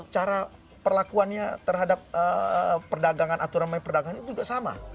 cara perlakuannya terhadap perdagangan aturan main perdagangan itu juga sama